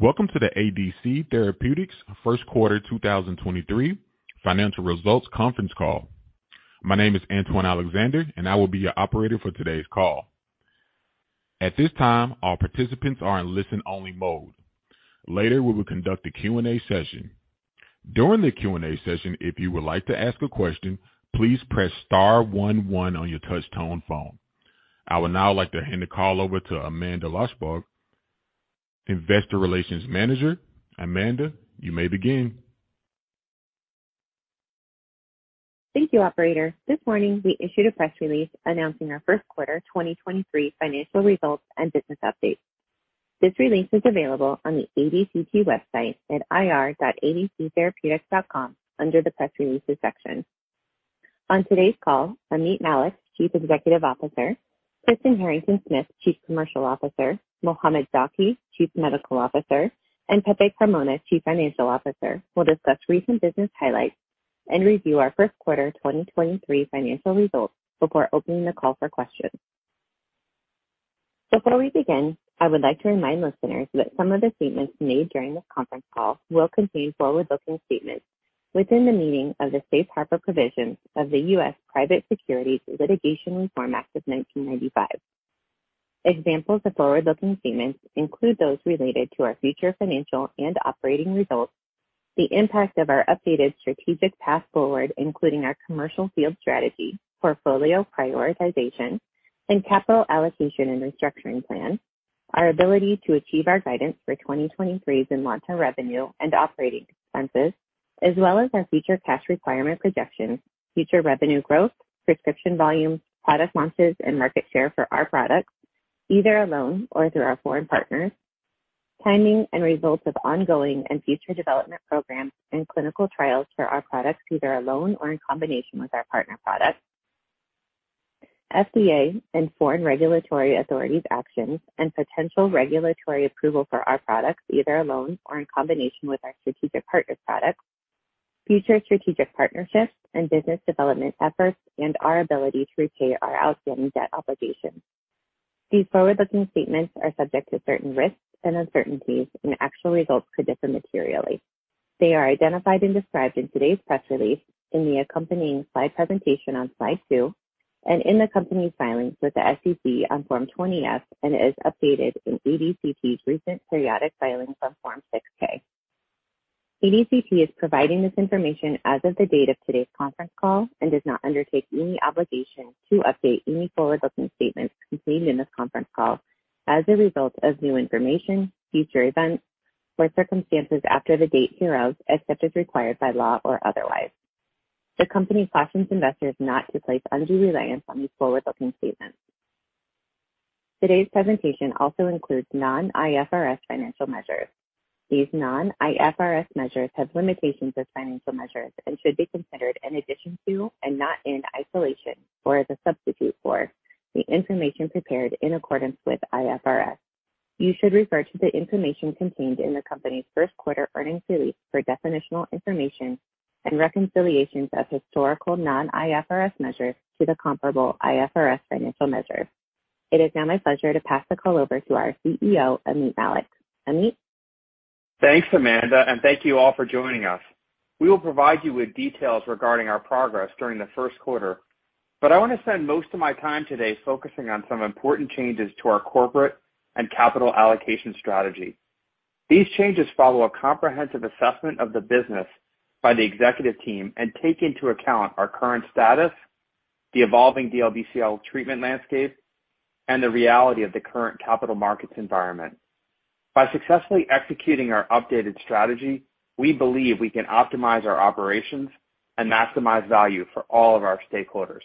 Welcome to the ADC Therapeutics first quarter 2023 financial results conference call. My name is Antoine Alexander, and I will be your operator for today's call. At this time, all participants are in listen-only mode. Later, we will conduct a Q&A session. During the Q&A session, if you would like to ask a question, please press star one one on your touch-tone phone. I would now like to hand the call over to Amanda Loshbaugh, Investor Relations Manager. Amanda, you may begin. Thank you, operator. This morning, we issued a press release announcing our first quarter 2023 financial results and business update. This release is available on the ADCT website at ir.adctherapeutics.com under the Press Releases section. On today's call, Ameet Mallik, Chief Executive Officer, Kristen Harrington-Smith, Chief Commercial Officer, Mohamed Zaki, Chief Medical Officer, and Pepe Carmona, Chief Financial Officer, will discuss recent business highlights and review our first quarter 2023 financial results before opening the call for questions. Before we begin, I would like to remind listeners that some of the statements made during this conference call will contain forward-looking statements within the meaning of the Safe Harbor provisions of the US Private Securities Litigation Reform Act of 1995. Examples of forward-looking statements include those related to our future financial and operating results, the impact of our updated strategic path forward, including our commercial field strategy, portfolio prioritization, and capital allocation and restructuring plan, our ability to achieve our guidance for 2023s in ZYNLONTA revenue and operating expenses, as well as our future cash requirement projections, future revenue growth, prescription volumes, product launches, and market share for our products, either alone or through our foreign partners, timing and results of ongoing and future development programs and clinical trials for our products, either alone or in combination with our partner products, FDA and foreign regulatory authorities' actions and potential regulatory approval for our products, either alone or in combination with our strategic partners' products, future strategic partnerships and business development efforts, and our ability to repay our outstanding debt obligations. These forward-looking statements are subject to certain risks and uncertainties, and actual results could differ materially. They are identified and described in today's press release, in the accompanying slide presentation on slide two, and in the company's filings with the SEC on Form 20-F and as updated in ADCT's recent periodic filings on Form 6-K. ADCT is providing this information as of the date of today's conference call and does not undertake any obligation to update any forward-looking statements contained in this conference call as a result of new information, future events, or circumstances after the date hereof, except as required by law or otherwise. The company cautions investors not to place undue reliance on these forward-looking statements. Today's presentation also includes non-IFRS financial measures. These non-IFRS measures have limitations as financial measures and should be considered in addition to and not in isolation or as a substitute for the information prepared in accordance with IFRS. You should refer to the information contained in the company's first quarter earnings release for definitional information and reconciliations of historical non-IFRS measures to the comparable IFRS financial measure. It is now my pleasure to pass the call over to our CEO, Ameet Mallik. Ameet? Thanks, `Amanda, and thank you all for joining us. We will provide you with details regarding our progress during the first quarter, but I want to spend most of my time today focusing on some important changes to our corporate and capital allocation strategy. These changes follow a comprehensive assessment of the business by the executive team and take into account our current status, the evolving DLBCL treatment landscape, and the reality of the current capital markets environment. By successfully executing our updated strategy, we believe we can optimize our operations and maximize value for all of our stakeholders.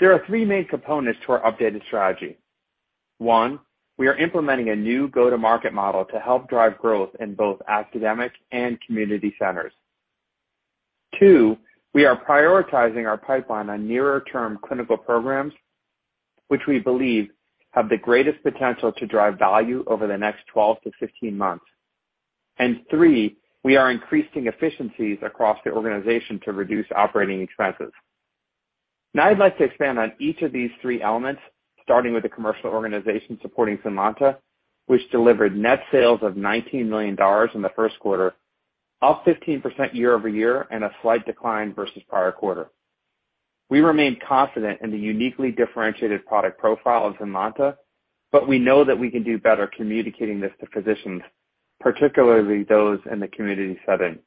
There are three main components to our updated strategy. One, we are implementing a new go-to-market model to help drive growth in both academic and community centers. Two, we are prioritizing our pipeline on nearer-term clinical programs which we believe have the greatest potential to drive value over the next 12 to 15 months. Three, we are increasing efficiencies across the organization to reduce operating expenses. Now I'd like to expand on each of these three elements, starting with the commercial organization supporting ZYNLONTA, which delivered net sales of $19 million in the first quarter, up 15% year-over-year and a slight decline versus prior quarter. We remain confident in the uniquely differentiated product profile of ZYNLONTA. We know that we can do better communicating this to physicians, particularly those in the community setting.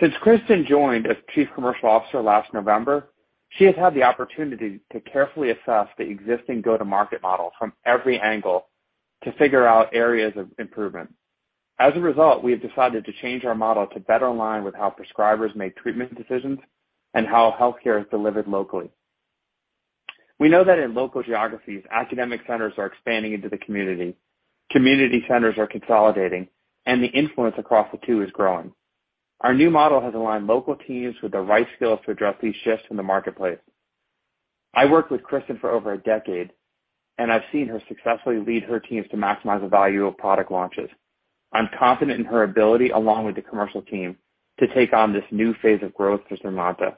Since Kristen joined as Chief Commercial Officer last November, she has had the opportunity to carefully assess the existing go-to-market model from every angle to figure out areas of improvement. As a result, we have decided to change our model to better align with how prescribers make treatment decisions and how healthcare is delivered locally. We know that in local geographies, academic centers are expanding into the community centers are consolidating, and the influence across the two is growing. Our new model has aligned local teams with the right skills to address these shifts in the marketplace. I worked with Kristen for over a decade, and I've seen her successfully lead her teams to maximize the value of product launches. I'm confident in her ability, along with the commercial team, to take on this new phase of growth for ZYNLONTA.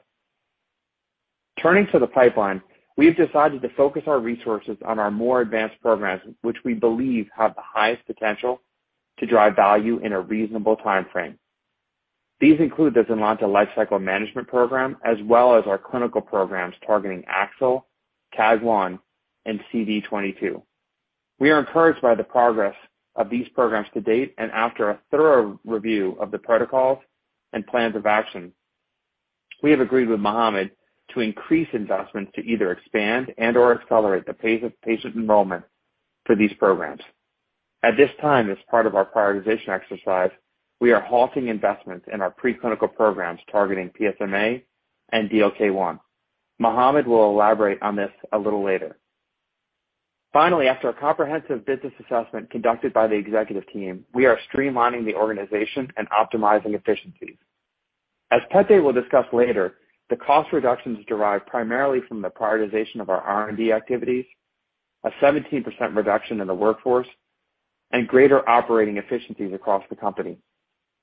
Turning to the pipeline, we have decided to focus our resources on our more advanced programs which we believe have the highest potential to drive value in a reasonable time frame. These include the ZYNLONTA lifecycle management program as well as our clinical programs targeting AXL, KAAG1, and CD22. We are encouraged by the progress of these programs to date, and after a thorough review of the protocols and plans of action, we have agreed with Mohammed to increase investments to either expand and/or accelerate the pace of patient enrollment for these programs. At this time, as part of our prioritization exercise, we are halting investments in our preclinical programs targeting PSMA and DLK-1. Mohammed will elaborate on this a little later. Finally, after a comprehensive business assessment conducted by the executive team, we are streamlining the organization and optimizing efficiencies. As Pete will discuss later, the cost reductions derive primarily from the prioritization of our R&D activities, a 17% reduction in the workforce, and greater operating efficiencies across the company.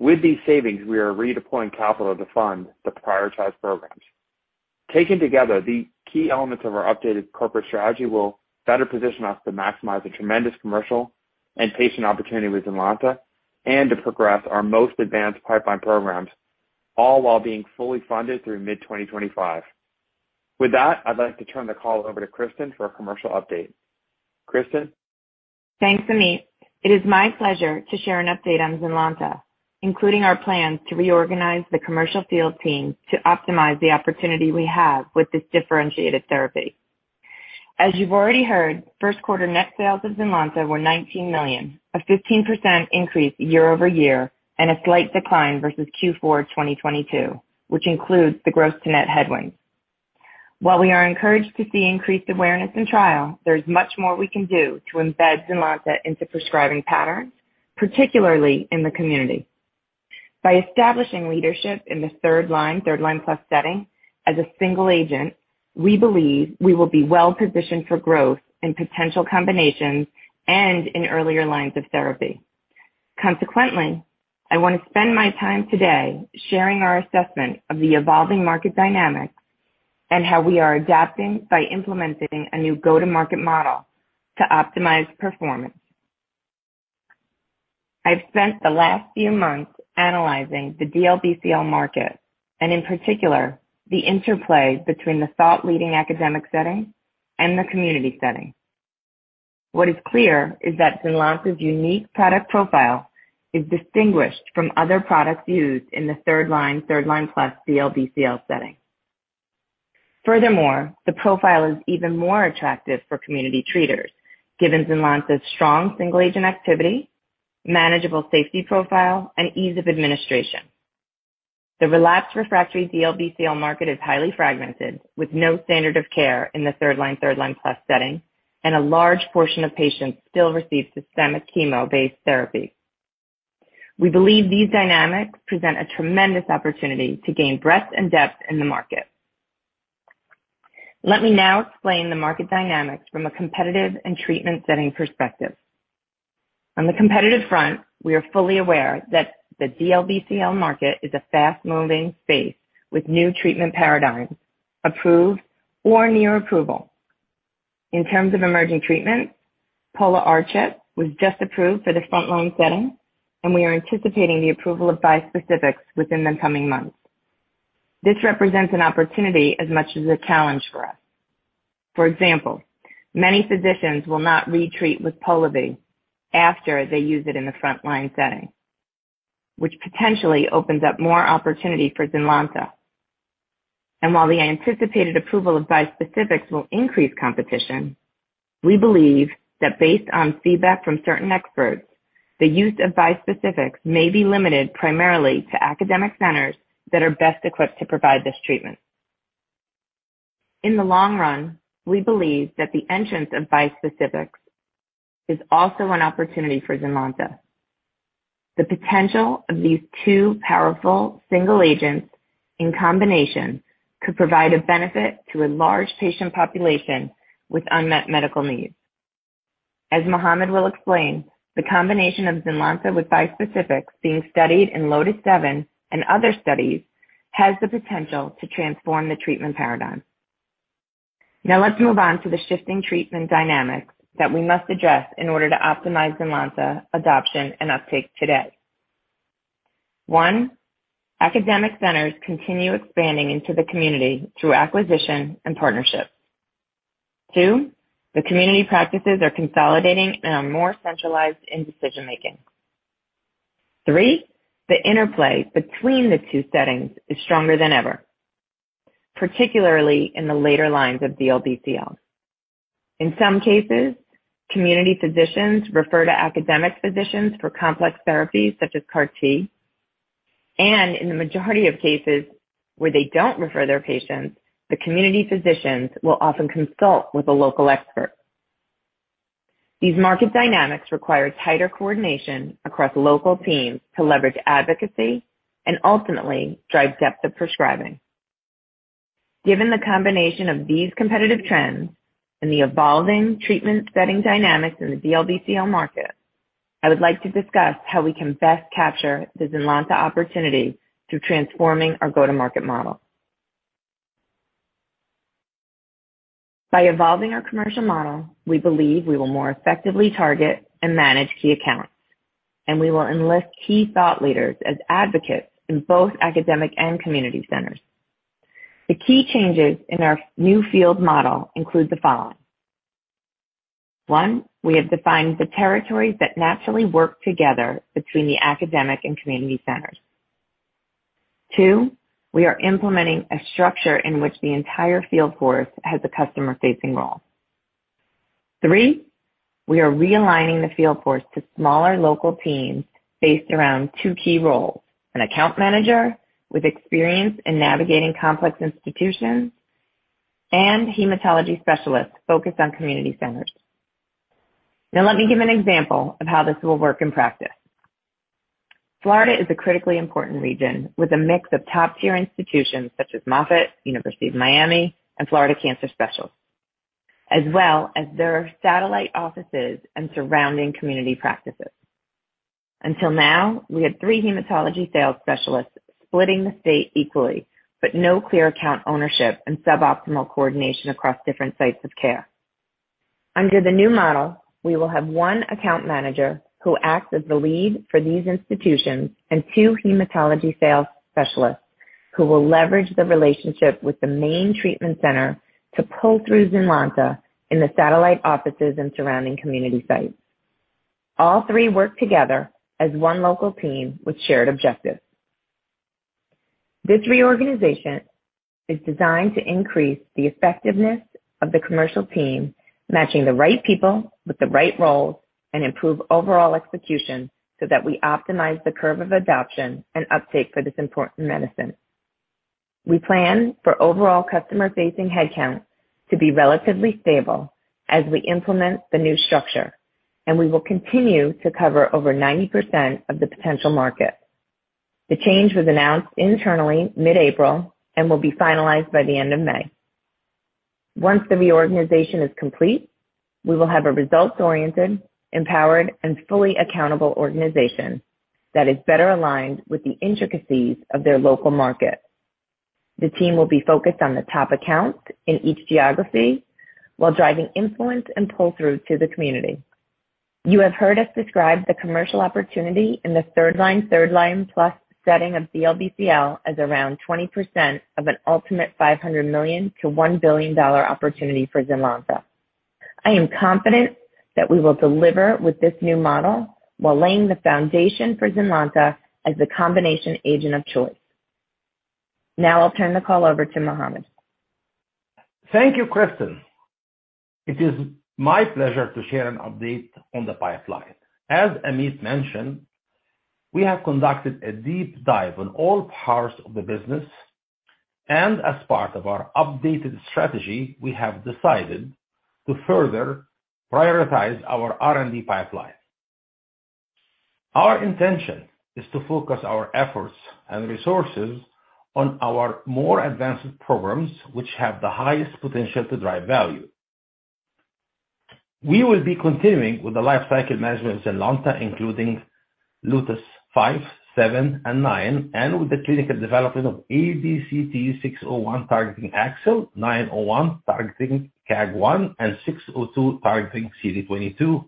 With these savings, we are redeploying capital to fund the prioritized programs. Taken together, the key elements of our updated corporate strategy will better position us to maximize the tremendous commercial and patient opportunity with ZYNLONTA and to progress our most advanced pipeline programs, all while being fully funded through mid-2025. With that, I'd like to turn the call over to Kristen for a commercial update. Kristen. Thanks, Ameet. It is my pleasure to share an update on ZYNLONTA, including our plans to reorganize the commercial field team to optimize the opportunity we have with this differentiated therapy. As you've already heard, first quarter net sales of ZYNLONTA were $19 million, a 15% increase year-over-year and a slight decline versus Q4 2022, which includes the gross to net headwinds. While we are encouraged to see increased awareness and trial, there's much more we can do to embed ZYNLONTA into prescribing patterns, particularly in the community. By establishing leadership in the third line, third line plus setting as a single agent, we believe we will be well-positioned for growth in potential combinations and in earlier lines of therapy. Consequently, I want to spend my time today sharing our assessment of the evolving market dynamics and how we are adapting by implementing a new go-to-market model to optimize performance. I've spent the last few months analyzing the DLBCL market and in particular, the interplay between the thought leading academic setting and the community setting. What is clear is that ZYNLONTA's unique product profile is distinguished from other products used in the third-line, third-line plus DLBCL setting. Furthermore, the profile is even more attractive for community treaters given ZYNLONTA's strong single-agent activity, manageable safety profile and ease of administration. The relapsed refractory DLBCL market is highly fragmented, with no standard of care in the third-line, third-line plus setting and a large portion of patients still receive systemic chemo-based therapy. We believe these dynamics present a tremendous opportunity to gain breadth and depth in the market. Let me now explain the market dynamics from a competitive and treatment setting perspective. On the competitive front, we are fully aware that the DLBCL market is a fast-moving space with new treatment paradigms approved or near approval. In terms of emerging treatments, Pola-R-CHP was just approved for the front-line setting, and we are anticipating the approval of bispecifics within the coming months. This represents an opportunity as much as a challenge for us. For example, many physicians will not retreat with POLIVY after they use it in the front-line setting, which potentially opens up more opportunity for ZYNLONTA. While the anticipated approval of bispecifics will increase competition, we believe that based on feedback from certain experts, the use of bispecifics may be limited primarily to academic centers that are best equipped to provide this treatment. In the long run, we believe that the entrance of bispecifics is also an opportunity for ZYNLONTA. The potential of these two powerful single agents in combination could provide a benefit to a large patient population with unmet medical needs. As Mohamed will explain, the combination of ZYNLONTA with bispecifics being studied in LOTIS-7 and other studies has the potential to transform the treatment paradigm. Let's move on to the shifting treatment dynamics that we must address in order to optimize ZYNLONTA adoption and uptake today. One, academic centers continue expanding into the community through acquisition and partnerships. Two, the community practices are consolidating and are more centralized in decision making. Three, the interplay between the two settings is stronger than ever, particularly in the later lines of DLBCL. In some cases, community physicians refer to academic physicians for complex therapies such as CAR T, and in the majority of cases where they don't refer their patients, the community physicians will often consult with a local expert. These market dynamics require tighter coordination across local teams to leverage advocacy and ultimately drive depth of prescribing. Given the combination of these competitive trends and the evolving treatment setting dynamics in the DLBCL market, I would like to discuss how we can best capture the ZYNLONTA opportunity through transforming our go-to-market model. By evolving our commercial model, we believe we will more effectively target and manage key accounts, and we will enlist key thought leaders as advocates in both academic and community centers. The key changes in our new field model include the following. One, we have defined the territories that naturally work together between the academic and community centers. Two, we are implementing a structure in which the entire field force has a customer-facing role. Two, we are realigning the field force to smaller local teams based around two key roles, an account manager with experience in navigating complex institutions and hematology specialists focused on community centers. Now let me give an example of how this will work in practice. Florida is a critically important region with a mix of top-tier institutions such as Moffitt, University of Miami, and Florida Cancer Specialists, as well as their satellite offices and surrounding community practices. Until now, we had three hematology sales specialists splitting the state equally, but no clear account ownership and suboptimal coordination across different sites of care. Under the new model, we will have one account manager who acts as the lead for these institutions and two hematology sales specialists who will leverage the relationship with the main treatment center to pull through ZYNLONTA in the satellite offices and surrounding community sites. All two work together as one local team with shared objectives. This reorganization is designed to increase the effectiveness of the commercial team, matching the right people with the right roles, and improve overall execution so that we optimize the curve of adoption and uptake for this important medicine. We plan for overall customer-facing headcount to be relatively stable as we implement the new structure, and we will continue to cover over 90% of the potential market. The change was announced internally mid-April and will be finalized by the end of May. Once the reorganization is complete, we will have a results-oriented, empowered, and fully accountable organization that is better aligned with the intricacies of their local market. The team will be focused on the top accounts in each geography while driving influence and pull-through to the community. You have heard us describe the commercial opportunity in the third line, third line plus setting of DLBCL as around 20% of an ultimate $500 million to $1 billion opportunity for ZYNLONTA. I am confident that we will deliver with this new model while laying the foundation for ZYNLONTA as the combination agent of choice. I'll turn the call over to Mohamed. Thank you, Kristen. It is my pleasure to share an update on the pipeline. As Ameet mentioned, we have conducted a deep dive on all parts of the business, and as part of our updated strategy, we have decided to further prioritize our R&D pipeline. Our intention is to focus our efforts and resources on our more advanced programs which have the highest potential to drive value. We will be continuing with the lifecycle management of ZYNLONTA, including LOTIS-5,7, and 9 and with the clinical development of ADCT-601 targeting AXL, ADCT-901 targeting KAAG1, and ADCT-602 targeting CD22.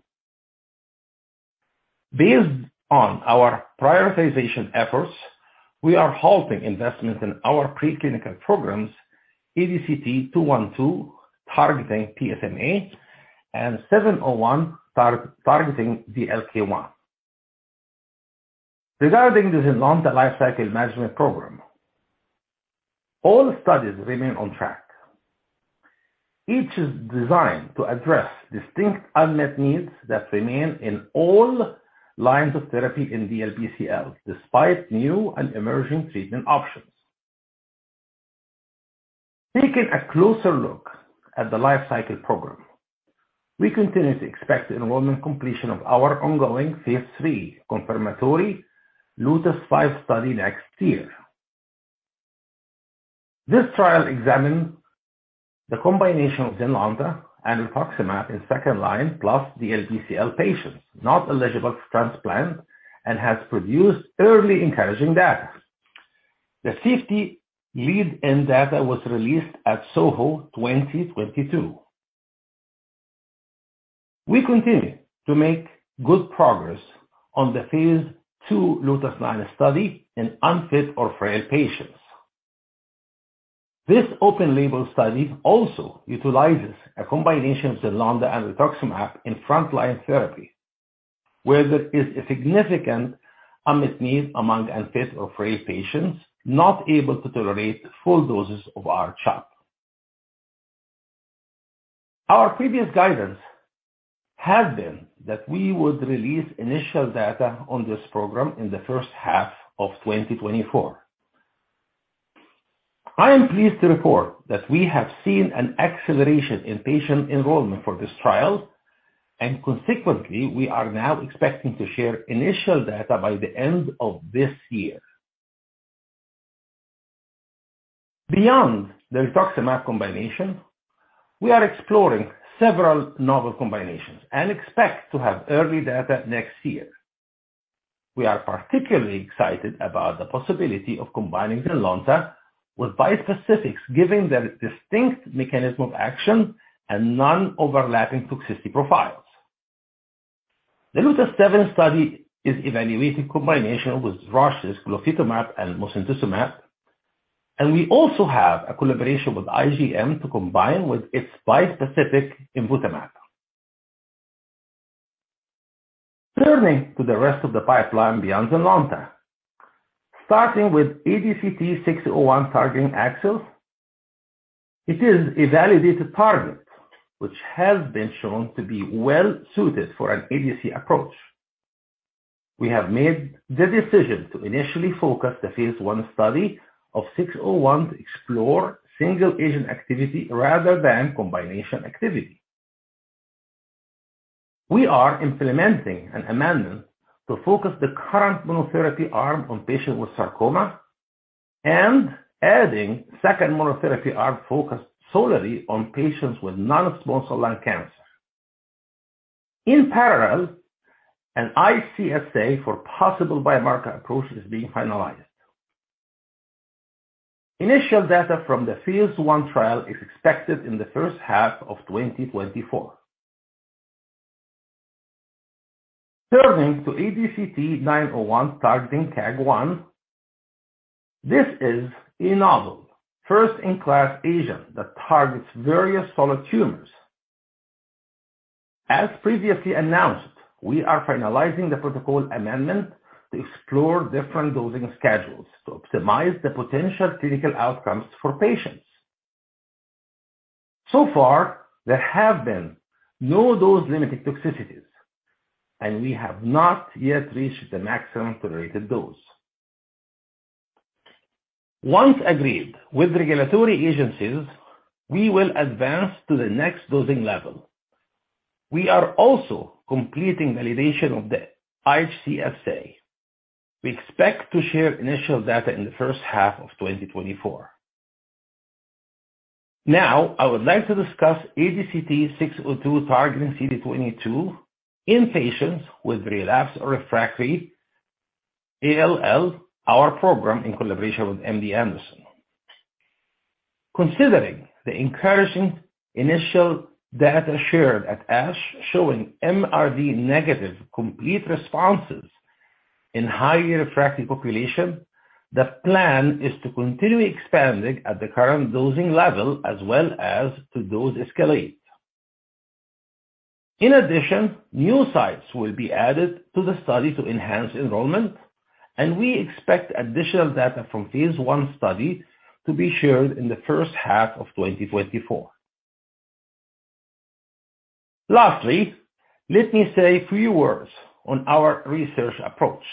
Based on our prioritization efforts, we are halting investments in our preclinical programs, ADCT-212 targeting PSMA, and ADCT-701 targeting DLK-1. Regarding the ZYNLONTA lifecycle management program, all studies remain on track. Each is designed to address distinct unmet needs that remain in all lines of therapy in DLBCL, despite new and emerging treatment options. Taking a closer look at the lifecycle program, we continue to expect the enrollment completion of our ongoing PIII confirmatory LOTIS-5 study next year. This trial examines the combination of ZYNLONTA and rituximab in second line plus DLBCL patients not eligible for transplant and has produced early encouraging data. The safety lead-in data was released at SOHO 2022. We continue to make good progress on the PII LOTIS-9 study in unfit or frail patients. This open-label study also utilizes a combination of ZYNLONTA and rituximab in frontline therapy, where there is a significant unmet need among unfit or frail patients not able to tolerate full doses of R-CHOP. Our previous guidance had been that we would release initial data on this program in the first half of 2024. I am pleased to report that we have seen an acceleration in patient enrollment for this trial. Consequently, we are now expecting to share initial data by the end of this year. Beyond the rituximab combination, we are exploring several novel combinations and expect to have early data next year. We are particularly excited about the possibility of combining ZYNLONTA with bispecifics, giving their distinct mechanism of action and non-overlapping toxicity profiles. The LOTIS-7 study is evaluating combination with Roche's glofitamab and mosunetuzumab. We also have a collaboration with IGM to combine with its bispecific imvotamab. Turning to the rest of the pipeline beyond ZYNLONTA. Starting with ADCT-601 targeting AXL, it is a validated target which has been shown to be well-suited for an ADC approach. We have made the decision to initially focus the PI study of ADCT-601 to explore single agent activity rather than combination activity. We are implementing an amendment to focus the current monotherapy arm on patients with sarcoma and adding second monotherapy arm focused solely on patients with non-small cell lung cancer. In parallel, an ICSA for possible biomarker approach is being finalized. Initial data from the PI trial is expected in the first half of 2024. Turning to ADCT-901 targeting KAAG1, this is a novel first-in-class agent that targets various solid tumors. As previously announced, we are finalizing the protocol amendment to explore different dosing schedules to optimize the potential clinical outcomes for patients. So far, there have been no dose-limiting toxicities, and we have not yet reached the maximum tolerated dose. Once agreed with regulatory agencies, we will advance to the next dosing level. We are also completing validation of the ICSA. We expect to share initial data in the first half of 2024. I would like to discuss ADCT-602 targeting CD22 in patients with relapsed or refractory ALL, our program in collaboration with MD Anderson. Considering the encouraging initial data shared at ASH, showing MRD negative complete responses in highly refractory population, the plan is to continue expanding at the current dosing level as well as to dose escalate. New sites will be added to the study to enhance enrollment, and we expect additional data from PI study to be shared in the first half of 2024. Let me say a few words on our research approach.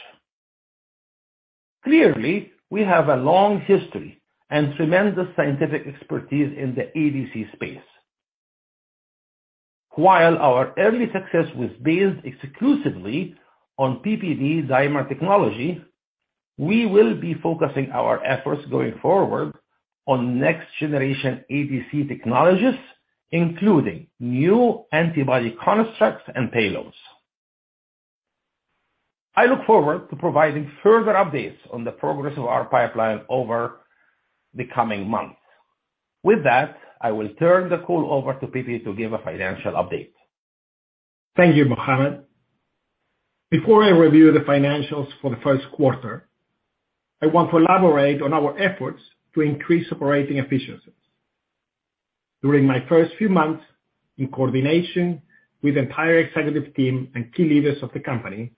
We have a long history and tremendous scientific expertise in the ADC space. While our early success was based exclusively on PBD's dimer technology, we will be focusing our efforts going forward on next generation ADC technologies, including new antibody constructs and payloads. I look forward to providing further updates on the progress of our pipeline over the coming months. With that, I will turn the call over to Pepe to give a financial update. Thank you, Mohamed. Before I review the financials for the first quarter, I want to elaborate on our efforts to increase operating efficiencies. During my first few months in coordination with the entire executive team and key leaders of the company,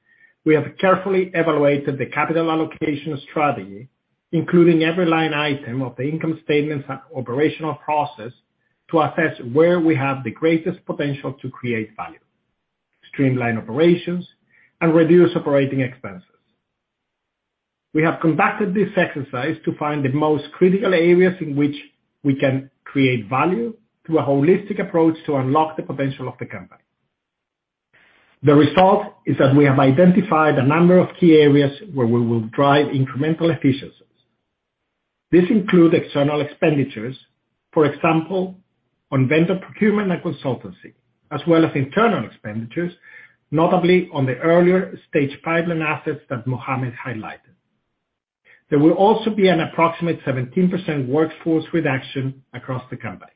we have carefully evaluated the capital allocation strategy, including every line item of the income statements and operational process to assess where we have the greatest potential to create value, streamline operations, and reduce operating expenses. We have conducted this exercise to find the most critical areas in which we can create value through a holistic approach to unlock the potential of the company. The result is that we have identified a number of key areas where we will drive incremental efficiencies. These include external expenditures, for example, on vendor procurement and consultancy, as well as internal expenditures, notably on the earlier stage pipeline assets that Mohamed highlighted. There will also be an approximate 17% workforce reduction across the company,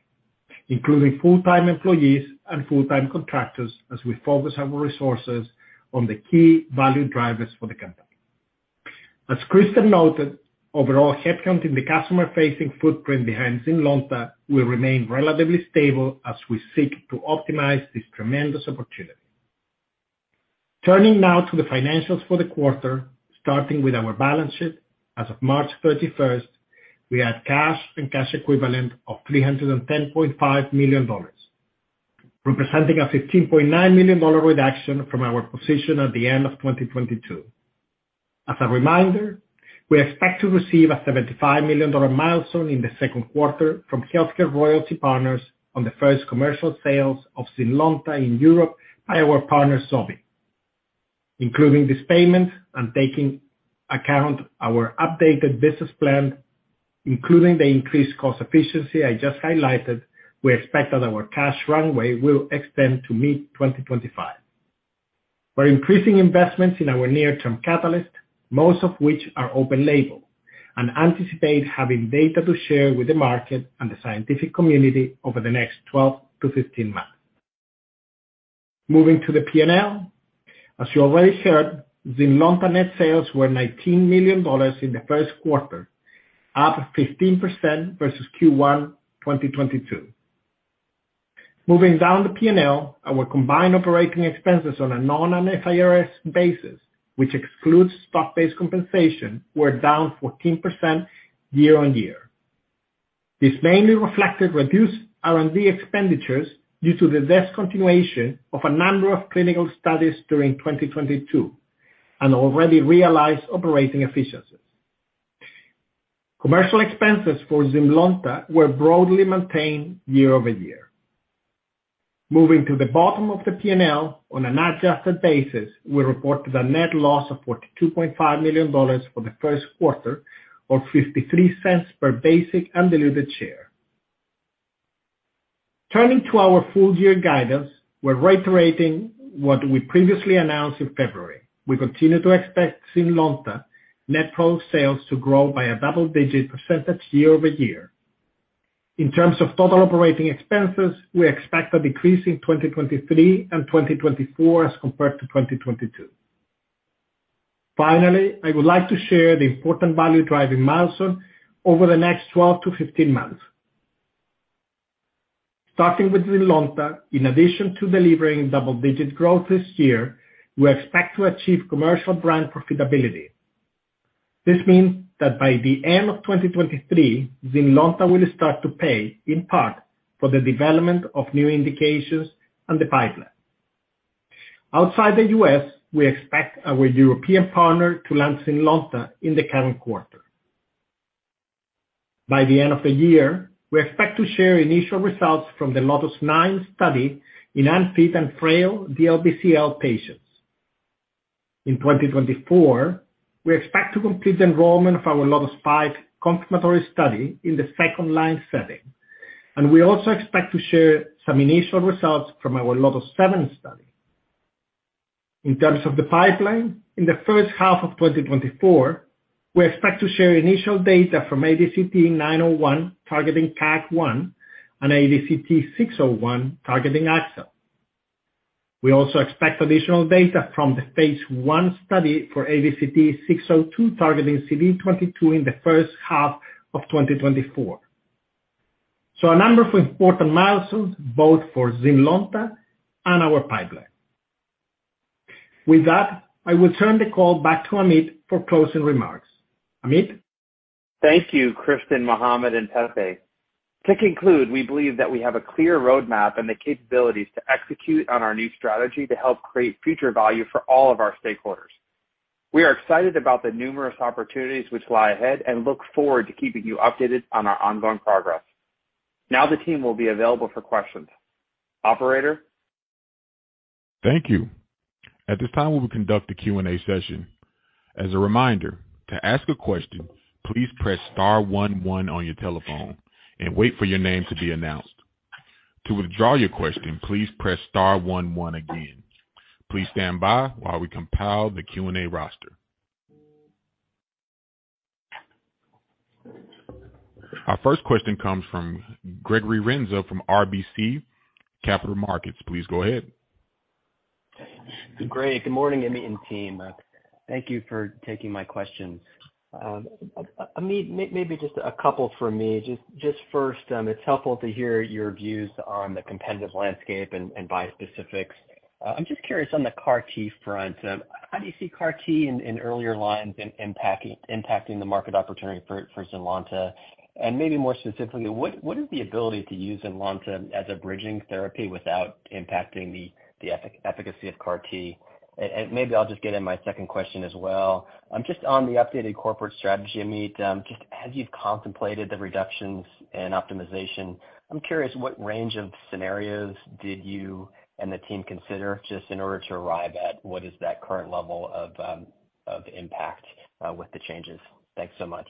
including full-time employees and full-time contractors, as we focus our resources on the key value drivers for the company. As Kristen noted, overall headcount in the customer-facing footprint behind ZYNLONTA will remain relatively stable as we seek to optimize this tremendous opportunity. Turning now to the financials for the quarter, starting with our balance sheet. As of March 31st, we had cash and cash equivalent of $310.5 million, representing a $15.9 million reduction from our position at the end of 2022. As a reminder, we expect to receive a $75 million milestone in the second quarter from HealthCare Royalty Partners on the first commercial sales of ZYNLONTA in Europe by our partner, Sobi.Including this payment and taking account our updated business plan, including the increased cost efficiency I just highlighted, we expect that our cash runway will extend to mid-2025. We're increasing investments in our near-term catalyst, most of which are open label, and anticipate having data to share with the market and the scientific community over the next 12 to 15 months. Moving to the P&L. As you already heard, ZYNLONTA net sales were $19 million in the first quarter, up 15% versus Q1 2022. Moving down the P&L, our combined operating expenses on a non-GAAP basis, which excludes stock-based compensation, were down 14% year-on-year. This mainly reflected reduced R&D expenditures due to the discontinuation of a number of clinical studies during 2022 and already realized operating efficiencies. Commercial expenses for ZYNLONTA were broadly maintained year-over-year. Moving to the bottom of the P&L, on an adjusted basis, we reported a net loss of $42.5 million for the first quarter or $0.53 per basic and diluted share. We're reiterating what we previously announced in February. We continue to expect ZYNLONTA net pro sales to grow by a double-digit % year-over-year. In terms of total operating expenses, we expect a decrease in 2023 and 2024 as compared to 2022. I would like to share the important value driving milestone over the next 12 to 15 months. Starting with ZYNLONTA, in addition to delivering double-digit growth this year, we expect to achieve commercial brand profitability. This means that by the end of 2023, ZYNLONTA will start to pay in part for the development of new indications on the pipeline. Outside the U.S.. we expect our European partner to launch ZYNLONTA in the current quarter. By the end of the year, we expect to share initial results from the LOTIS-9 study in unfit and frail DLBCL patients. In 2024, we expect to complete the enrollment of our LOTIS-5 confirmatory study in the second line setting. We also expect to share some initial results from our LOTIS-7 study. In terms of the pipeline, in the first half of 2024, we expect to share initial data from ADCT-901 targeting KAAG1 and ADCT-601 targeting AXL. We also expect additional data from the PI study for ADCT-602 targeting CD22 in the first half of 2024. A number of important milestones both for ZYNLONTA and our pipeline. With that, I will turn the call back to Amit for closing remarks. Ameet? Thank you, Kristen, Mohamed, and Pepe. To conclude, we believe that we have a clear roadmap and the capabilities to execute on our new strategy to help create future value for all of our stakeholders. We are excited about the numerous opportunities which lie ahead and look forward to keeping you updated on our ongoing progress. The team will be available for questions. Operator? Thank you. At this time, we will conduct a Q&A session. As a reminder, to ask a question, please press star 11 on your telephone and wait for your name to be announced. To withdraw your question, please press star 11 again. Please stand by while we compile the Q&A roster. Our first question comes from Gregory Renza from RBC Capital Markets. Please go ahead. Great. Good morning, Ameet and team. Thank you for taking my questions. Ameet, maybe just a couple for me. First, it's helpful to hear your views on the competitive landscape and bispecifics. I'm just curious on the CAR T front, how do you see CAR T in earlier lines impacting the market opportunity for ZYNLONTA? Maybe more specifically, what is the ability to use ZYNLONTA as a bridging therapy without impacting the efficacy of CAR T? Maybe I'll just get in my second question as well. Just on the updated corporate strategy, Ameet, just as you've contemplated the reductions and optimization, I'm curious what range of scenarios did you and the team consider just in order to arrive at what is that current level of impact with the changes? Thanks so much.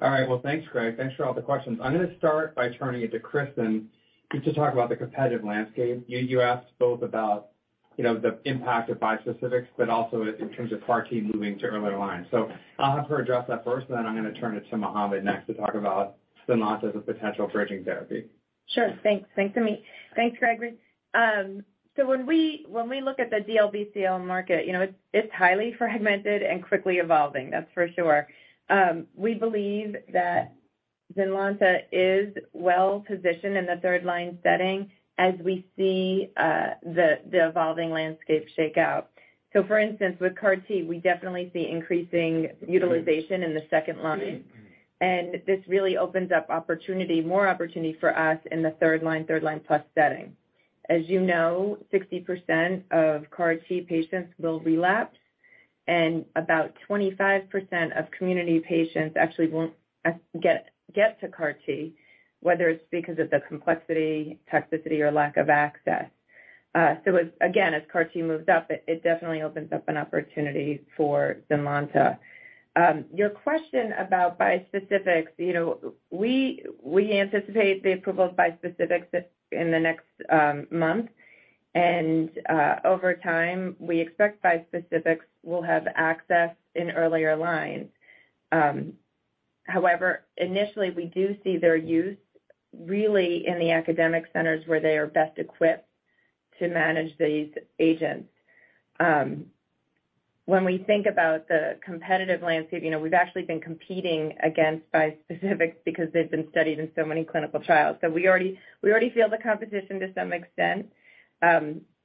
All right. Well, thanks, Greg. Thanks for all the questions. I'm gonna start by turning it to Kristen just to talk about the competitive landscape. You asked both about, you know, the impact of bispecifics, but also in terms of CAR T moving to earlier lines. I'll have her address that first, and then I'm gonna turn it to Mohamed next to talk about ZYNLONTA as a potential bridging therapy. Sure. Thanks. Thanks, Ameet. Thanks, Gregory. When we look at the DLBCL market, you know, it's highly fragmented and quickly evolving, that's for sure. We believe that ZYNLONTA is well positioned in the third line setting as we see the evolving landscape shake out. For instance, with CAR T, we definitely see increasing utilization in the second line. This really opens up more opportunity for us in the third line plus setting. As you know, 60% of CAR T patients will relapse. About 25% of community patients actually won't get to CAR T, whether it's because of the complexity, toxicity, or lack of access. Again, as CAR T moves up, it definitely opens up an opportunity for ZYNLONTA. Your question about bispecifics, you know, we anticipate the approval of bispecifics in the next month. Over time, we expect bispecifics will have access in earlier lines. However, initially, we do see their use really in the academic centers where they are best equipped to manage these agents. When we think about the competitive landscape, you know, we've actually been competing against bispecifics because they've been studied in so many clinical trials. We already feel the competition to some extent.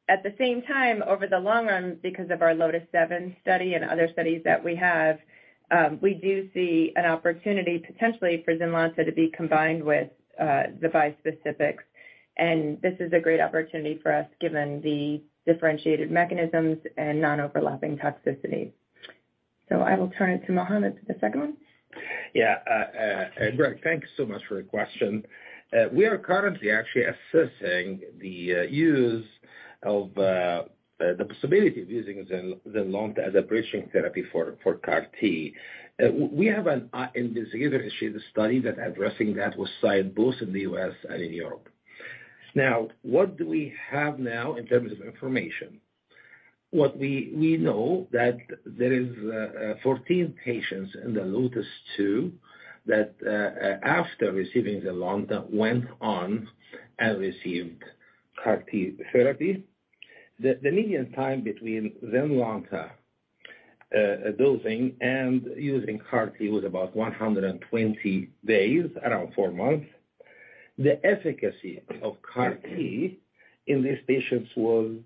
At the same time, over the long- run, because of our LOTIS-7 study and other studies that we have, we do see an opportunity potentially for ZYNLONTA to be combined with the bispecifics. This is a great opportunity for us, given the differentiated mechanisms and non-overlapping toxicity. I will turn it to Mohamed for the second one. Greg, thanks so much for your question. We are currently actually assessing the use of the possibility of using ZYNLONTA as a bridging therapy for CAR T. We have an investigator-initiated study that addressing that was signed both in the U.S. and in Europe. What do we have now in terms of information? What we know that there is 14 patients in the LOTIS-2 that after receiving ZYNLONTA, went on and received CAR T therapy. The median time between ZYNLONTA dosing and using CAR T was about 120 days, around four months. The efficacy of CAR T in these patients was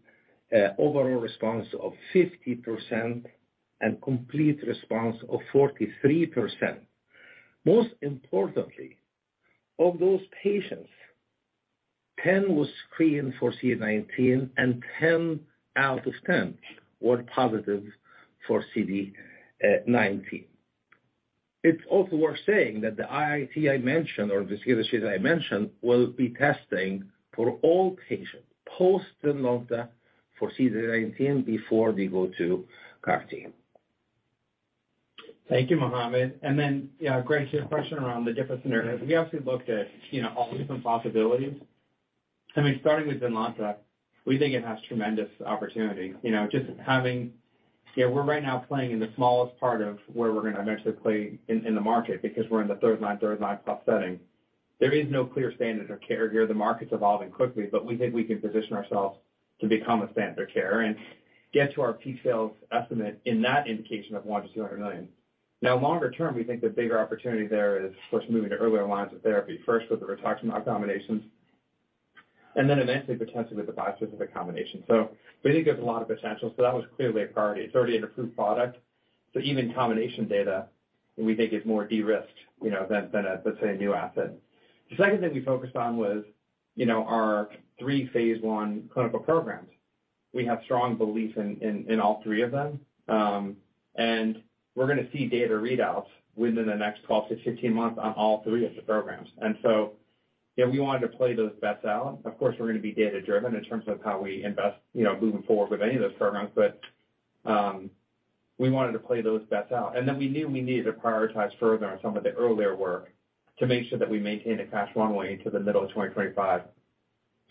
overall response of 50% and complete response of 43%. Most importantly, of those patients, 10 was screened for CD19, and 10 out of 10 were positive for CD19. It's also worth saying that the IIT I mentioned or investigator I mentioned will be testing for all patients post ZYNLONTA for CD19 before they go to CAR T. Thank you, Mohamed. Yeah, Greg, to your question around the different scenarios. We actually looked at, you know, all the different possibilities. I mean, starting with ZYNLONTA, we think it has tremendous opportunity. You know, just having, Yeah, we're right now playing in the smallest part of where we're going to eventually play in the market because we're in the third line plus setting. There is no clear standard of care here. The market's evolving quickly, but we think we can position ourselves to become a standard of care and get to our peak sales estimate in that indication of $100 million-$200 million. Longer term, we think the bigger opportunity there is, of course, moving to earlier lines of therapy, first with the rituximab combinations, and then eventually potentially with the bispecific combination. We think there's a lot of potential. That was clearly a priority. It's already an approved product. Even combination data we think is more de-risked, you know, than a, let's say, a new asset. The second thing we focused on was, you know, our three PI clinical programs. We have strong belief in all three of them. We're gonna see data readouts within the next 12-15 months on all three of the programs. Yeah, we wanted to play those bets out. Of course, we're gonna be data-driven in terms of how we invest, you know, moving forward with any of those programs. We wanted to play those bets out. We knew we needed to prioritize further on some of the earlier work to make sure that we maintain a cash runway into the middle of 2025.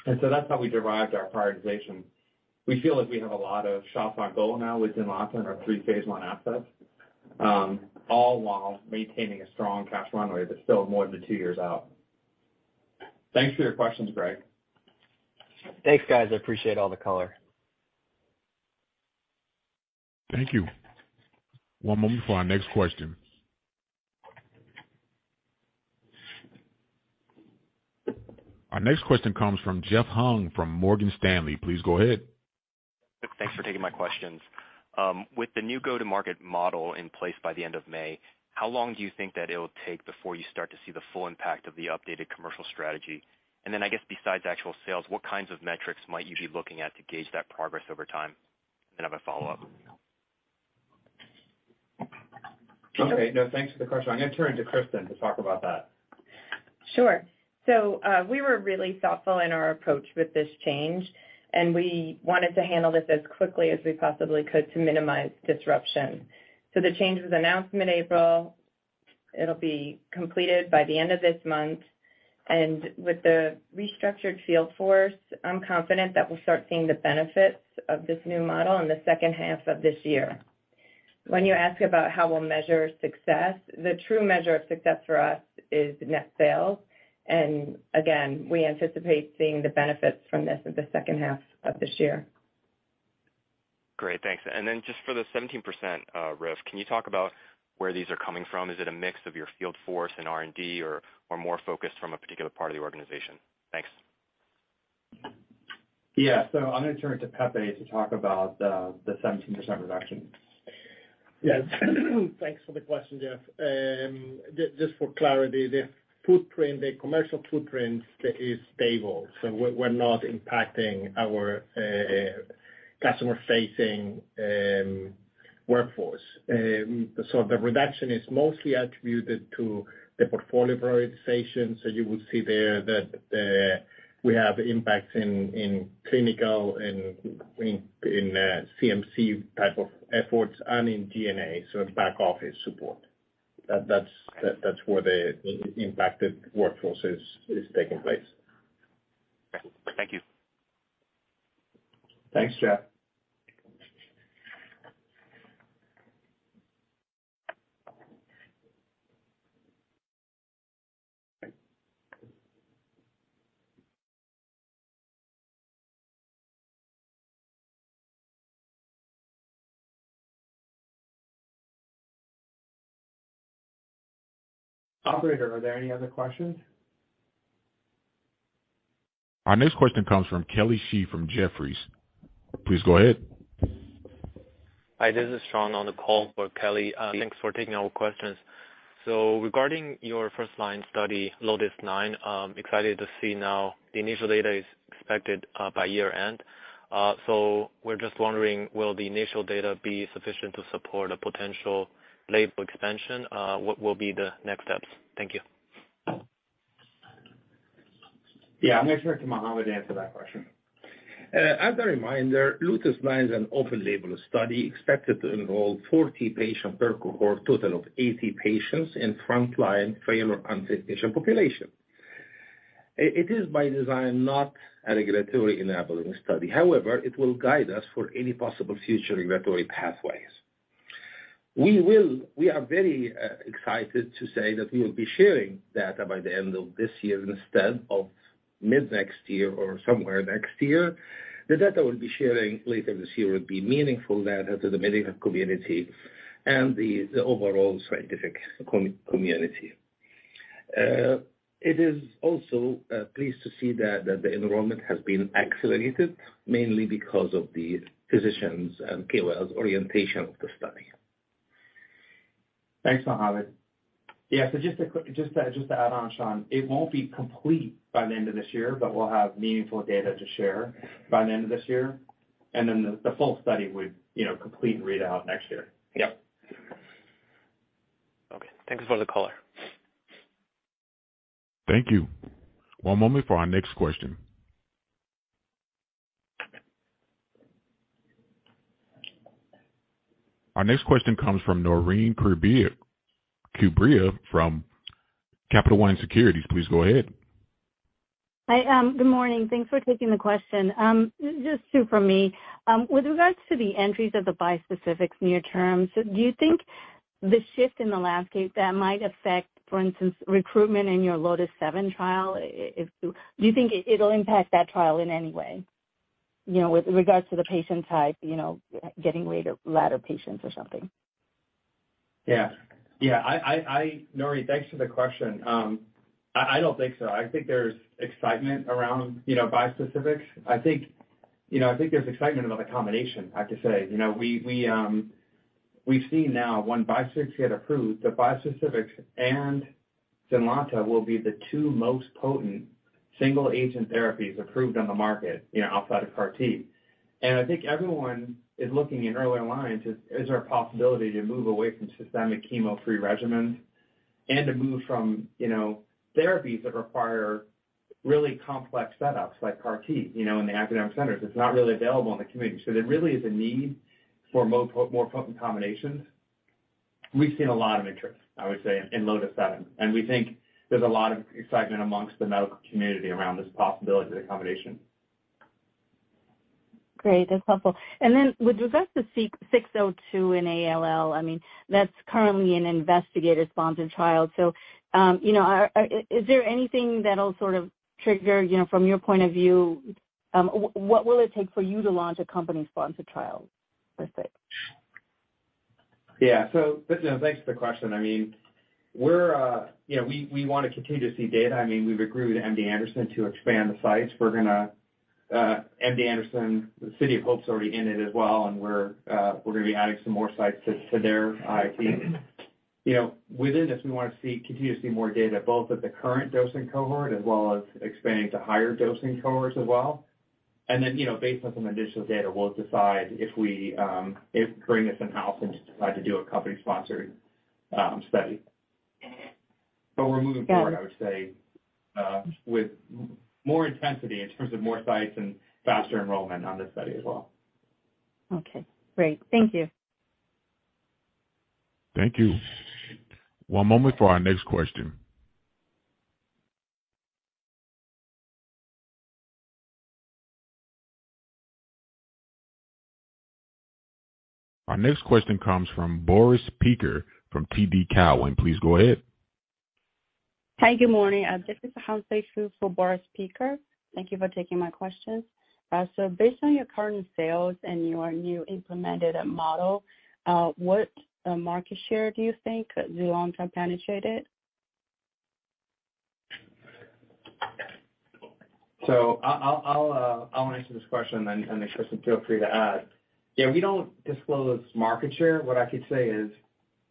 That's how we derived our prioritization. We feel like we have a lot of shots on goal now with ZYNLONTA and our three phase 1 assets, all while maintaining a strong cash runway that's still more than two years out. Thanks for your questions, Greg. Thanks, guys. I appreciate all the color. Thank you. One moment for our next question. Our next question comes from Jeff Hung from Morgan Stanley. Please go ahead. Thanks for taking my questions. With the new go-to-market model in place by the end of May, how long do you think that it'll take before you start to see the full impact of the updated commercial strategy? I guess besides actual sales, what kinds of metrics might you be looking at to gauge that progress over time? I have a follow-up. Okay. No, thanks for the question. I'm gonna turn to Kristen to talk about that. Sure. We were really thoughtful in our approach with this change. We wanted to handle this as quickly as we possibly could to minimize disruption. The change was announced mid-April. It'll be completed by the end of this month. With the restructured field force, I'm confident that we'll start seeing the benefits of this new model in the second half of this year. When you ask about how we'll measure success, the true measure of success for us is net sales. Again, we anticipate seeing the benefits from this in the second half of this year. Great. Thanks. Then just for the 17% risk, can you talk about where these are coming from? Is it a mix of your field force and R&D or more focused from a particular part of the organization? Thanks. I'm gonna turn to Pepe to talk about the 17% reduction. Thanks for the question, Jeff. Just for clarity, the footprint, the commercial footprint is stable, we're not impacting our customer-facing workforce. The reduction is mostly attributed to the portfolio prioritization. You will see there that we have impacts in clinical and in CMC type of efforts and in G&A, it's back-office support. That's where the impacted workforce is taking place. Thank you. Thanks, Jeff. Operator, are there any other questions? Our next question comes from Kelly Shi from Jefferies. Please go ahead. Hi, this is Sean on the call for Kelly. Thanks for taking our questions. Regarding your first line study, LOTIS-9, I'm excited to see now the initial data is expected by year-end. We're just wondering, will the initial data be sufficient to support a potential label expansion? What will be the next steps? Thank you. I'm gonna turn it to Mohamed to answer that question. As a reminder, LOTIS-9 is an open label study expected to involve 40 patients per cohort, total of 80 patients in frontline failure and cessation population. It is by design, not a regulatory enabling study. However, it will guide us for any possible future regulatory pathways. We are very excited to say that we will be sharing data by the end of this year instead of mid-next year or somewhere next year. The data we'll be sharing later this year will be meaningful data to the medical community and the overall scientific community. It is also pleased to see that the enrollment has been accelerated mainly because of the physicians and KOLs orientation of the study. Thanks, Mohamed. Yeah. Just to add on, Sean, it won't be complete by the end of this year, but we'll have meaningful data to share by the end of this year, and then the full study would, you know, complete read out next year. Yep. Okay. Thanks for the call. Thank you. One moment for our next question. Our next question comes from Noreen Kibria from Capital One Securities. Please go ahead. Hi. Good morning. Thanks for taking the question. Just two from me. With regards to the entries of the bispecifics near term, do you think the shift in the landscape that might affect, for instance, recruitment in your LOTIS-7 trial? Do you think it'll impact that trial in any way, you know, with regards to the patient type, you know, getting later ladder patients or something? Yeah. Yeah. Noreen, thanks for the question. I don't think so. I think there's excitement around, you know, bispecifics. I think, you know, I think there's excitement about the combination, I have to say. You know, we've seen now when epcoritamab get approved, the bispecifics and ZYNLONTA will be the two most potent single agent therapies approved on the market, you know, outside of CAR T. I think everyone is looking in early lines. Is there a possibility to move away from systemic chemo-free regimens and to move from, you know, therapies that require really complex setups like CAR T, you know, in the academic centers? It's not really available in the community. There really is a need for more potent combinations. We've seen a lot of interest, I would say, in LOTIS-7, and we think there's a lot of excitement amongst the medical community around this possibility of the combination. Great. That's helpful. With regards to ADCT-602 in ALL, I mean, that's currently an investigator-sponsored trial. You know, Is there anything that'll sort of trigger, you know, from your point of view, what will it take for you to launch a company-sponsored trial, let's say? You know, thanks for the question. I mean, we're, you know, we wanna continue to see data. I mean, we've agreed with MD Anderson to expand the sites. We're gonna MD Anderson, the City of Hope is already in it as well, and we're gonna be adding some more sites to their IP. You know, with it, if we wanna continue to see more data, both at the current dosing cohort as well as expanding to higher dosing cohorts as well. Then, you know, based on some additional data, we'll decide if we bring this in-house and decide to do a company-sponsored study. We're moving forward- Got it. I would say, with more intensity in terms of more sites and faster enrollment on this study as well. Okay, great. Thank you. Thank you. One moment for our next question. Our next question comes from Boris Peaker from TD Cowen. Please go ahead. Hi. Good morning. This is Han Sei Shu for Boris Peaker. Thank you for taking my questions. Based on your current sales and your new implemented model, what market share do you think ZYNLONTA penetrated? I'll answer this question then, and Kristen, feel free to add. We don't disclose market share. What I could say is,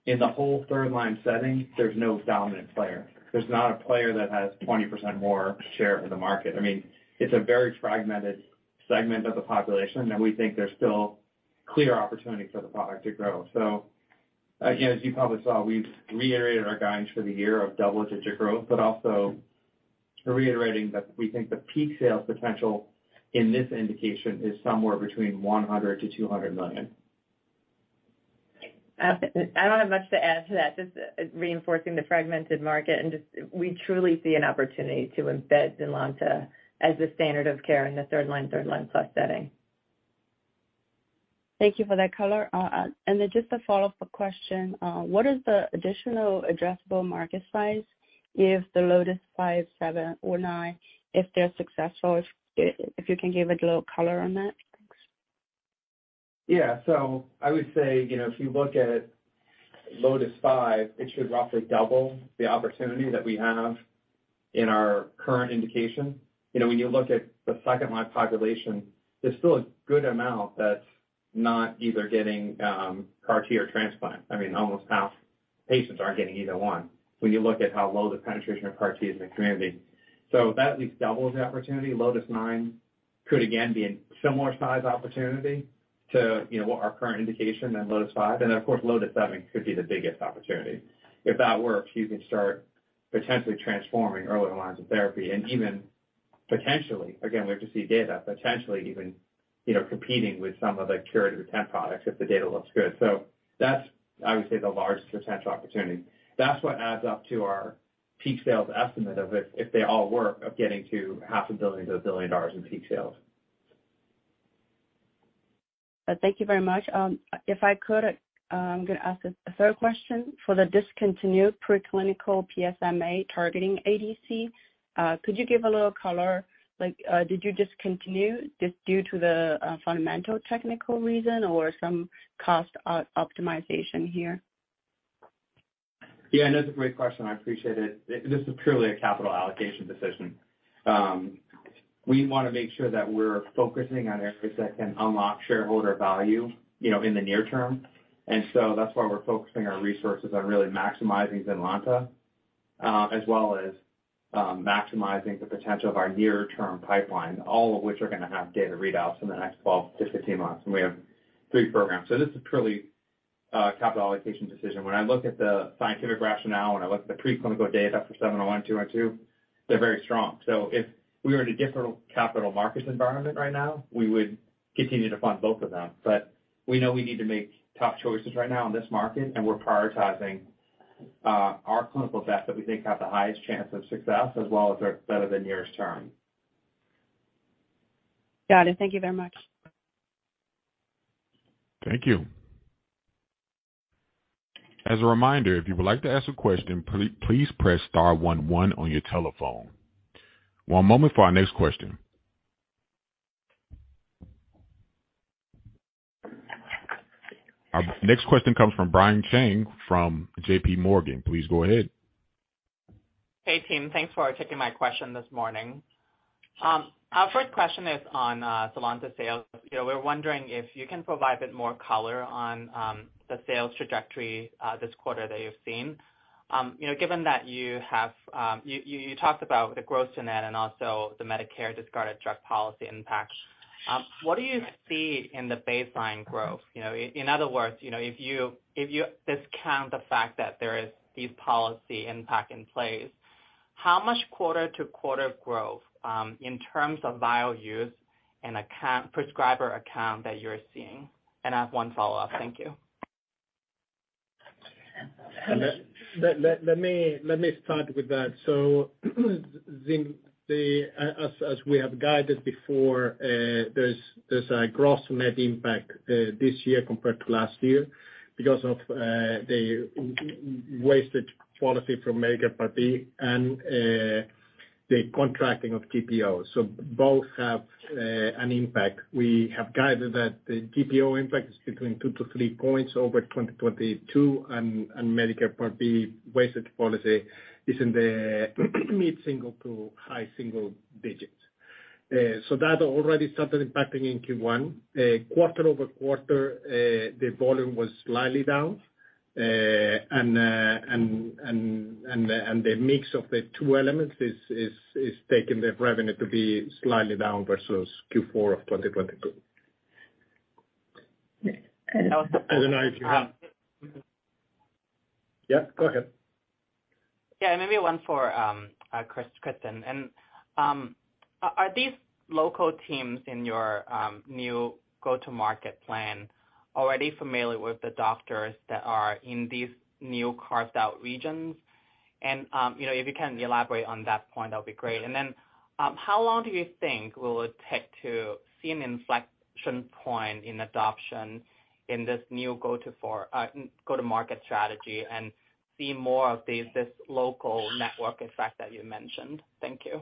in the whole third line setting, there's no dominant player. There's not a player that has 20% more share of the market. I mean, it's a very fragmented segment of the population, and we think there's still clear opportunity for the product to grow. Again, as you probably saw, we've reiterated our guidance for the year of double-digit growth, but also reiterating that we think the peak sales potential in this indication is somewhere between $100 million-$200 million. I don't have much to add to that. Just reinforcing the fragmented market and we truly see an opportunity to embed ZYNLONTA as the standard of care in the third line plus setting. Thank you for that color. Just a follow-up question. What is the additional addressable market size if the LOTIS-5, 7 or 9, if they're successful, if you can give a little color on that? Thanks. I would say, you know, if you look at LOTIS-5, it should roughly double the opportunity that we have in our current indication. You know, when you look at the second line population, there's still a good amount that's not either getting CAR T or transplant. I mean, almost half patients aren't getting either one when you look at how low the penetration of CAR T is in the community. That at least doubles the opportunity. LOTIS-9 could again be a similar size opportunity to, you know, what our current indication than LOTIS-5. Of course, LOTIS-7 could be the biggest opportunity. If that works, you could start potentially transforming earlier lines of therapy and even potentially, again, we have to see data, potentially even, you know, competing with some of the curative 10 products if the data looks good. That's, I would say, the largest potential opportunity. That's what adds up to our peak sales estimate of if they all work of getting to half a billion dollars to $1 billion in peak sales. Thank you very much. If I could, I'm gonna ask a third question. For the discontinued pre-clinical PSMA targeting ADC, could you give a little color like, did you discontinue this due to the fundamental technical reason or some cost optimization here? Yeah, no, that's a great question. I appreciate it. This is purely a capital allocation decision. We wanna make sure that we're focusing on areas that can unlock shareholder value, you know, in the near term. That's why we're focusing our resources on really maximizing ZYNLONTA, as well as, maximizing the potential of our near-term pipeline, all of which are gonna have data readouts in the next 12-15 months. We have 3 programs. This is purely a capital allocation decision. When I look at the scientific rationale, when I look at the preclinical data for 701, 202, they're very strong. If we were in a different capital market environment right now, we would continue to fund both of them. We know we need to make tough choices right now in this market, and we're prioritizing our clinical assets that we think have the highest chance of success as well as our better the nearest term. Got it. Thank you very much. Thank you. As a reminder, if you would like to ask a question, please press star 11 on your telephone. One moment for our next question. Our next question comes from Brian Cheng from JP Morgan. Please go ahead. Hey, team. Thanks for taking my question this morning. Our first question is on ZYNLONTA sales. You know, we're wondering if you can provide a bit more color on the sales trajectory this quarter that you've seen. You know, given that you have, you talked about the gross net and also the Medicare discarded drug policy impact. What do you see in the baseline growth? You know, in other words, you know, if you, if you discount the fact that there is this policy impact in place, how much quarter-to-quarter growth in terms of bio us and account, prescriber account that you're seeing? And I have one follow-up. Thank you. Let me start with that. The, as we have guided before, there's a gross net impact this year compared to last year because of the wasted policy from Medicare Part B and the contracting of PPO. Both have an impact. We have guided that the PPO impact is between 2-3 points over 2022, and Medicare Part B wasted policy is in the mid-single to high single digits. That already started impacting in Q1. Quarter-over-quarter, the volume was slightly down. The mix of the two elements is taking the revenue to be slightly down versus Q4 of 2022. And also- I don't know if you have... Yeah, go ahead. Yeah, maybe one for Kristen. Are these local teams in your new go-to-market plan already familiar with the doctors that are in these new carved-out regions? You know, if you can elaborate on that point, that'd be great. Then, how long do you think will it take to see an inflection point in adoption in this new go-to-market strategy and see more of these, this local network effect that you mentioned? Thank you.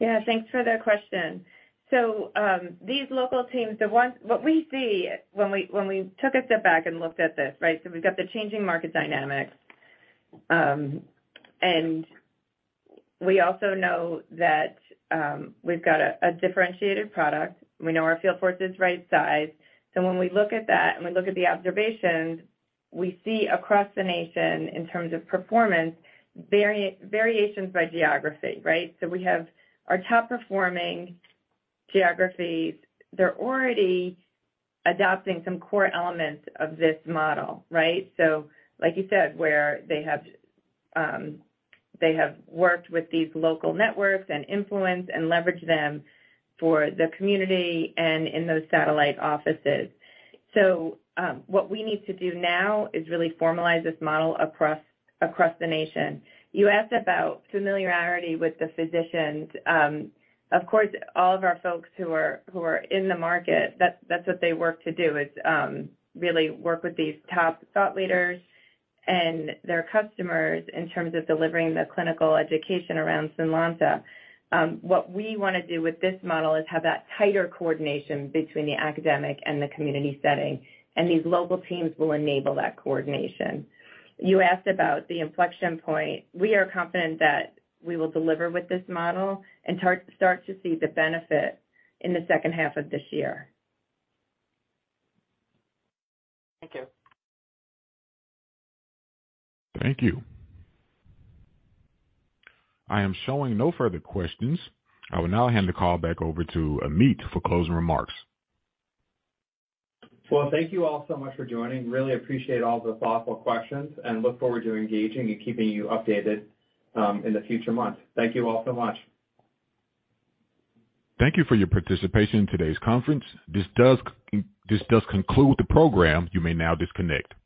Yeah, thanks for the question. These local teams. What we see when we took a step back and looked at this, right? We've got the changing market dynamics, and we also know that we've got a differentiated product. We know our field force is right size. When we look at that and we look at the observations, we see across the nation in terms of performance, variations by geography, right? We have our top performing geographies. They're already adopting some core elements of this model, right? Like you said, where they have worked with these local networks and influence and leverage them for the community and in those satellite offices. What we need to do now is really formalize this model across the nation. You asked about familiarity with the physicians. Of course, all of our folks who are in the market, that's what they work to do, is really work with these top thought leaders and their customers in terms of delivering the clinical education around ZYNLONTA. What we wanna do with this model is have that tighter coordination between the academic and the community setting, and these local teams will enable that coordination. You asked about the inflection point. We are confident that we will deliver with this model and start to see the benefit in the second half of this year. Thank you. Thank you. I am showing no further questions. I will now hand the call back over to Ameet for closing remarks. Well, thank you all so much for joining. Really appreciate all the thoughtful questions and look forward to engaging and keeping you updated, in the future months. Thank you all so much. Thank you for your participation in today's conference. This does conclude the program. You may now disconnect. Thank you.